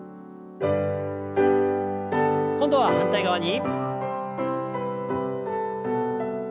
今度は反対側に。